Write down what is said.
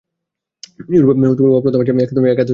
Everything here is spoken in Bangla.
ইউরোপে উহা প্রথম আসে মাত্র একাদশ শতাব্দীতে।